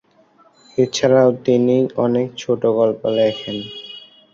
এছাড়াও তিনি অনেক ছোটগল্প লেখেন।